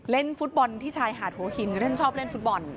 เล่นฟุตบอลที่ชายหาดหัวหินเล่นชอบเล่นฟุตบอล